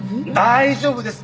大丈夫です。